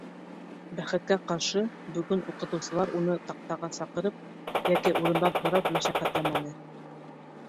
Бәхеткә ҡаршы, бөгөн уҡытыусылар уны таҡтаға сығарып йәки урындан һорап мәшәҡәтләмәне.